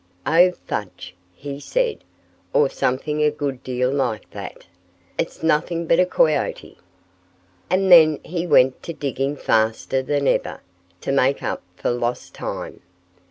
"Oh, fudge!" he said or something a good deal like that. "It's nothing but a Coyote." And then he went to digging faster than ever, to make up for lost time.